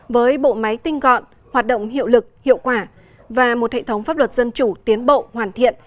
với bộ máy tinh gọn hoạt động hiệu lực hiệu quả và một hệ thống pháp luật dân chủ tiến bộ hoàn thiện